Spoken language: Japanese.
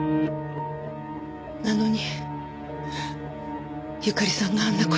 なのにゆかりさんがあんな事に。